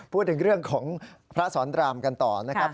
พูดถึงเรื่องของพระสอนรามกันต่อนะครับ